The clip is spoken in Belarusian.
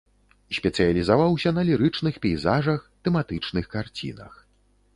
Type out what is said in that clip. Спецыялізаваўся на лірычных пейзажах, тэматычных карцінах.